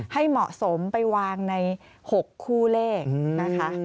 ให้เหมาะสมไปวางใน๖คู่เลขนะคะ